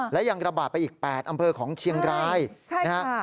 และยังระบาดไปอีก๘อำเภอของเชียงรายนะฮะ